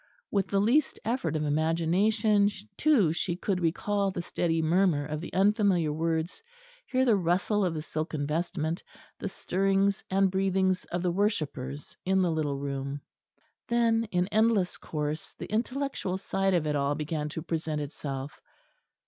With the least effort of imagination too she could recall the steady murmur of the unfamiliar words; hear the rustle of the silken vestment; the stirrings and breathings of the worshippers in the little room. Then in endless course the intellectual side of it all began to present itself.